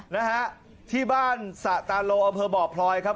ในบ้านสระตาโล่อเบพลอยครับ